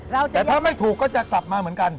แต่ถ้าไม่ถูกก็จะกลับมาเหมือนกัน